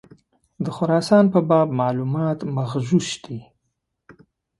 د خراسان په باب معلومات مغشوش دي.